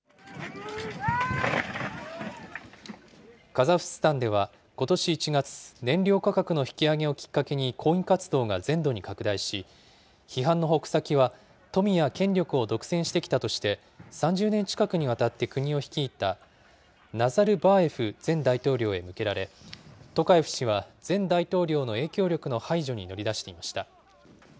カザフスタンではことし１月、燃料価格の引き上げをきっかけに抗議活動が全土に拡大し、批判の矛先は富や権力を独占してきたとして３０年近くにわたって国を率いた、ナザルバーエフ前大統領へ向けられ、トカエフ氏は前大統領の影響力の排除に乗り出していました。